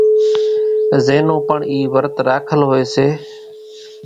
زين نون پڻ اِي ورت راکل ھوئي سي